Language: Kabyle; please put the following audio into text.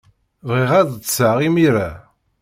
Bɣiɣ ad ḍḍseɣ imir-a.